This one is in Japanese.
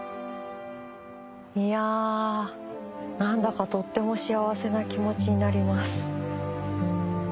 いや何だかとっても幸せな気持ちになります。